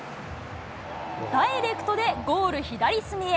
ダイレクトでゴール左隅へ。